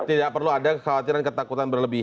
tidak perlu ada kekhawatiran ketakutan berlebihan